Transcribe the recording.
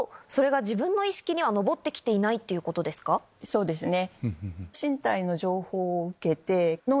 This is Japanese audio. そうですね。